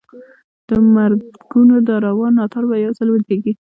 د مرګونو دا روان ناتار به یو ځل درېږي.